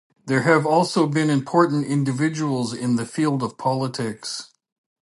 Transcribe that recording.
There have also been important individuals in the field of politics.